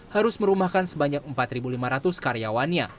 harus merumahkan sebanyak empat lima ratus karyawannya